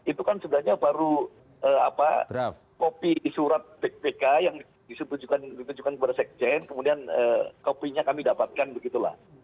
itu kan sebenarnya baru copy surat bk yang ditujukan kepada sekjen kemudian copy nya kami dapatkan begitu lah